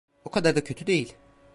O kadar da kötü değil.